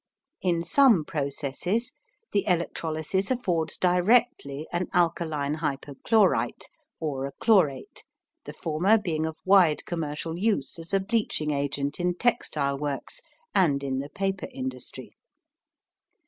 In some processes the electrolysis affords directly an alkaline hypochlorite or a chlorate, the former being of wide commercial use as a bleaching agent in textile works and in the paper industry.